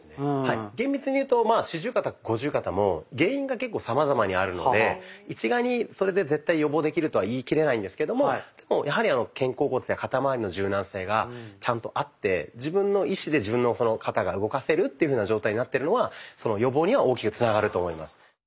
厳密にいうと四十肩五十肩も原因が結構さまざまにあるので一概にそれで絶対予防できるとは言い切れないんですけどもでもやはり肩甲骨や肩まわりの柔軟性がちゃんとあって自分の意思で自分の肩が動かせるというふうな状態になってるのはその予防には大きくつながると思います。